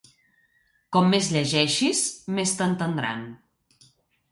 Com més llegeixis, més t'entendran.